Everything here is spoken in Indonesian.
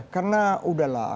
karena sudah lah